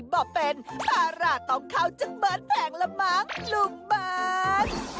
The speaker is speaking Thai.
บอกเป็นภาระต่อเขาจากเบิ้ลแผงละมั้งลุงเบิ้ล